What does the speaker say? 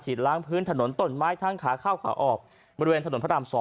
ล้างพื้นถนนต้นไม้ทั้งขาเข้าขาออกบริเวณถนนพระราม๒